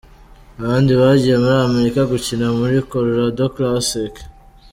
Abandi bagiye muri Amerika gukina muri Colorado Classic